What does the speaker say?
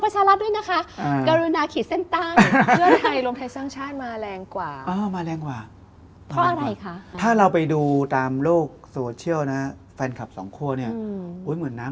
สูตรเพื่อไทยรวมไทยสร้างชาติไม่ใช่พลังประชาลัพธ์ด้วยนะคะ